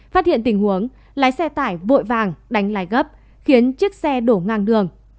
phát hiện tình huống lái xe tải vội vàng đánh lái gấp khiến chiếc xe đổ ngang đường